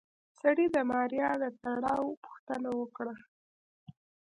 سړي د ماريا د تړاو پوښتنه وکړه.